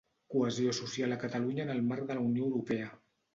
Cohesió social a Catalunya en el marc de la Unió Europea.